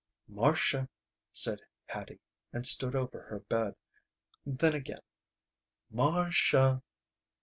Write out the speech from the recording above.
"Marcia," said Hattie, and stood over her bed. Then again, "Mar cia!"